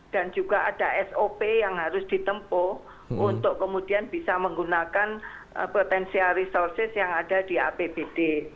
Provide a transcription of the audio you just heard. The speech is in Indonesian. dan juga ada sop yang harus ditempuh untuk kemudian bisa menggunakan potensial resources yang ada di apbd